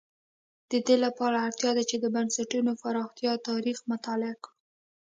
د دې لپاره اړتیا ده چې د بنسټونو پراختیا تاریخ مطالعه کړو.